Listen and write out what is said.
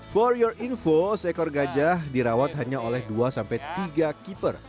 for your info seekor gajah dirawat hanya oleh dua tiga keeper